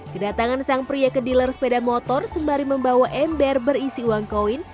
kedatangan sang pria ke dealer sepeda motor sembari membawa ember berisi uang koin